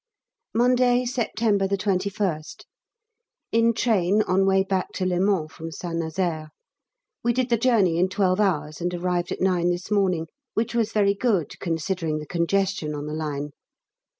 Monday, September 21st. In train on way back to Le Mans from St Nazaire. We did the journey in twelve hours, and arrived at 9 this morning, which was very good, considering the congestion on the line.